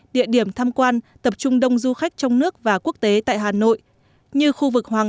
địa điểm tham quan tập trung đông du khách trong nước và quốc tế tại hà nội như khu vực hoàng